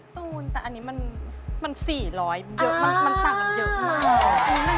ตูนแต่อันนี้มัน๔๐๐เยอะมันต่างกันเยอะมาก